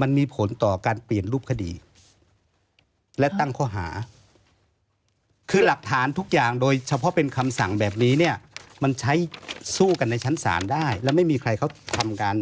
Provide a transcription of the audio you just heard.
มันมีผลต่อการเปลี่ยนรูปคดีและตั้งข้อหาคือหลักฐานทุกอย่างโดยเฉพาะเป็นคำสั่งแบบนี้เนี่ยมันใช้สู้กันในชั้นศาลได้และไม่มีใครเขาทำกัน